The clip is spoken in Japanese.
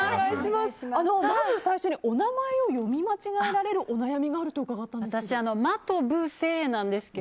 まず最初にお名前を読み間違えられるお悩みがあると伺ったんですが。